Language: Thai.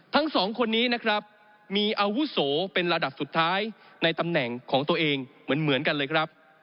ทั้งสองคนนี้นะครับมีอาวุโสเป็นระดับสุดท้ายในตำแหน่งของตัวเองเหมือนกันเลยครับ